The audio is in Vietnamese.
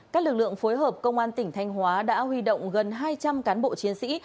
các lực lượng phối hợp công an tỉnh thanh hóa đã huy động gần hai trăm linh cán bộ chiến sĩ